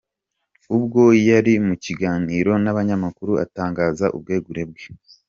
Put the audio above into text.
Ubwo yari mu kiganiro n’abanyamakuru atangaza ubwegure bwe.